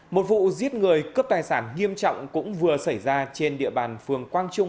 một vụ giết người cướp tài sản nghiêm trọng cũng vừa xảy ra trên địa bàn phường quang trung